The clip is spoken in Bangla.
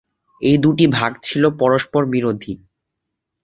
এই দুটি ভাগ ছিল পরস্পরবিরোধী।